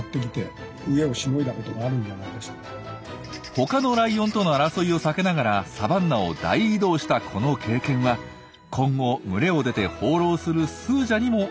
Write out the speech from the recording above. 他のライオンとの争いを避けながらサバンナを大移動したこの経験は今後群れを出て放浪するスージャにもきっと役に立つはずです。